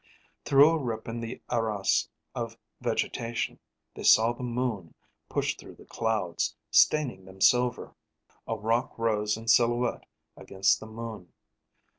Through a rip in the arras of vegetation, they saw the moon push through the clouds, staining them silver. A rock rose in silhouette against the moon.